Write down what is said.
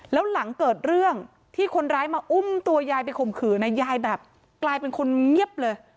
แล้วหลังเกิดเรื่องที่คนร้ายมาอุ้มตัวยายไปข่มขืนยายแบบกลายเป็นคนเงียบเลย